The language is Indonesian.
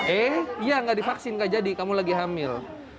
eh iya nggak divaksin gak jadi kamu lagi hamil